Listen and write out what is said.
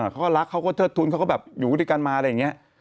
เขาก็รักเขาก็เทิดทุนเขาก็แบบอยู่ด้วยกันมาอะไรอย่างนี้